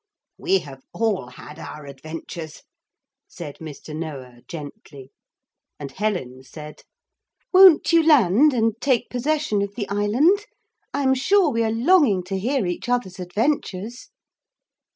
'We have all had our adventures,' said Mr. Noah gently. And Helen said: 'Won't you land and take possession of the island? I'm sure we are longing to hear each other's adventures.'